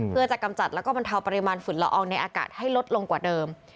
เพื่อจะกำจัดแล้วก็บรรเทาปริมาณฝุ่นละอองในอากาศให้ลดลงกว่าเดิม